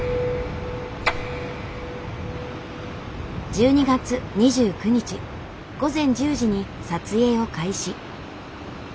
１２月２９日午前１０時に撮影を開始。